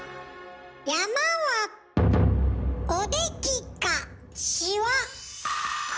山は「おでき」か「しわ」。